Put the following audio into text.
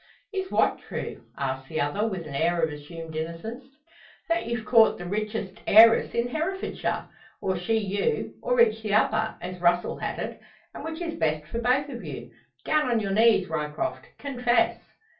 "Is what true?" asks the other, with an air of assumed innocence. "That you've caught the richest heiress in Herefordshire, or she you, or each the other, as Russel had it, and which is best for both of you. Down on your knees, Ryecroft! Confess!"